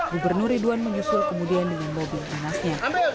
gubernur ridwan menyusul kemudian dengan mobil panasnya